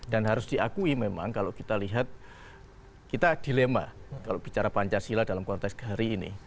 dan harus diakui memang kalau kita lihat kita dilema kalau bicara pancasila dalam konteks hari ini